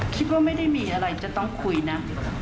คิดว่าไม่ได้มีอะไรจะต้องคุยนะ